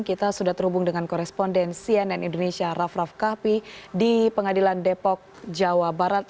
kita sudah terhubung dengan koresponden cnn indonesia raff raff kahfi di pengadilan depok jawa barat